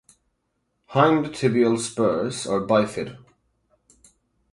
Hind tibial spurs are bifid.